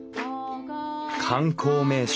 観光名所